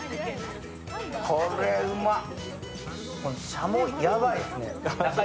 しゃも、やばいですね。